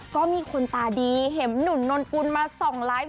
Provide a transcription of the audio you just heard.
ก็มีคนตาดีเห็นหนุ่นนนกุลมาส่องไลฟ์